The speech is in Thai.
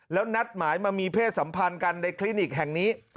แล้วนัดหมายมามีเพศสัมพันธ์กันในคลินิกแห่งนี้